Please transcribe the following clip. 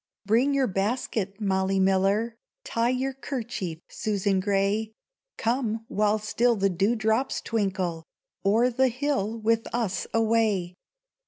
BRING your basket, Molly Miller, Tie your kerchief, Susan Gray! Come, while still the dewdrops twinkle, O'er the hill with us away.